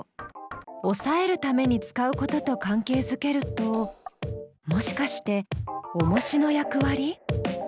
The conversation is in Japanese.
おさえるために使うことと関係づけるともしかしておもしの役割？